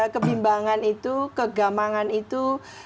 kebimbangan itu kegamangan itu